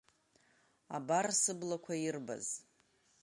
Абар сыблақәа ирбаз…